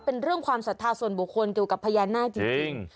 เป็นเรื่องความศรัทธาส่วนบุคคลเกี่ยวกับพญานาคจริง